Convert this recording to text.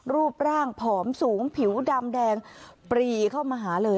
รูปร่างผอมสูงผิวดำแดงปรีเข้ามาหาเลย